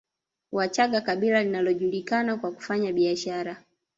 Wachaga kabila linalojulikana kwa kufanya biashara